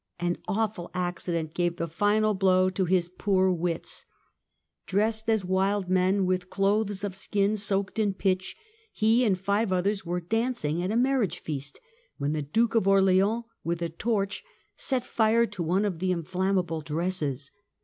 An awful accident gave the final blow to his poor wits. Dressed as wild men with clothes of skins soaked in pitch, he and five others were dancing at a marriage feast, when the Duke of Orleans with a torch, set fire to one of the inflammable dresses.